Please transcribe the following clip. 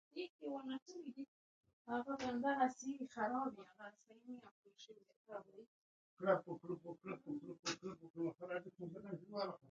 ازادي راډیو د د ښځو حقونه په اړه د معارفې پروګرامونه چلولي.